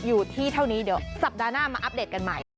อยู่ที่เท่านี้เดี๋ยวสัปดาห์หน้ามาอัปเดตกันใหม่